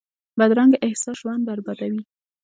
بدرنګه احساس ژوند بربادوي